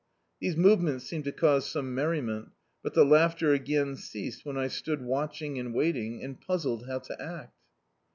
These movements seemed to cause some mer riment, but the laughter again ceased when I stood watching and waiting, and puzzled how to act.